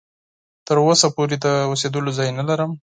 تر اوسه پوري د اوسېدلو ځای نه لرم.